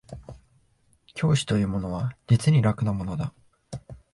教師というものは実に楽なものだ